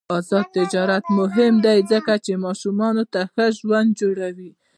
آزاد تجارت مهم دی ځکه چې ماشومانو ته ښه ژوند جوړوي.